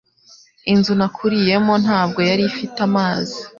Inzu nakuriyemo ntabwo yari ifite amazi.